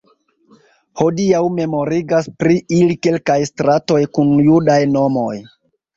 Hodiaŭ memorigas pri ili kelkaj stratoj kun judaj nomoj.